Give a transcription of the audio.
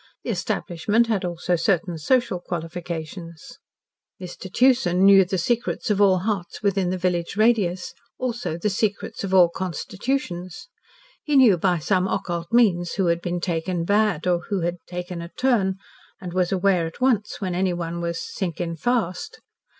The establishment had also certain social qualifications. Mr. Tewson knew the secrets of all hearts within the village radius, also the secrets of all constitutions. He knew by some occult means who had been "taken bad," or who had "taken a turn," and was aware at once when anyone was "sinkin' fast."